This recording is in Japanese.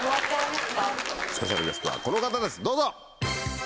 スペシャルゲストはこの方ですどうぞ！